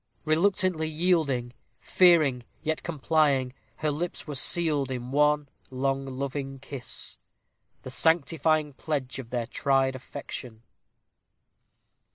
Reluctantly yielding fearing, yet complying, her lips were sealed in one long, loving kiss, the sanctifying pledge of their tried affection.